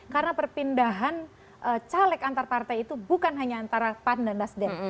karena perpindahan caleg antar partai itu bukan hanya antara pan dan nasdi